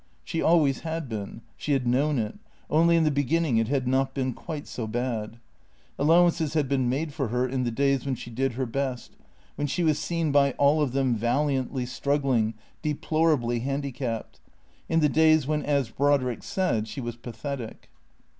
She always had been ; she had known it ; only in the beginning it had not been quite so bad. Allowances had been made for her in the days when she did her best, when she was seen by all of them valiantly struggling, deplorably handicapped; in the days when, as Brodrick said, she was pathetic.